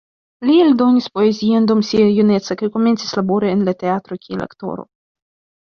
Li eldonis poezion dum sia juneco, kaj komencis labori en la teatro kiel aktoro.